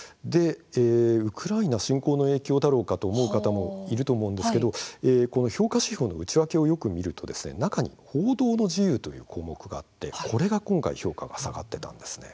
ウクライナ侵攻の影響だろうかという方もいると思うんですが内訳をよく見ると中に報道の自由という項目があってこれも今回評価が下がっているんです。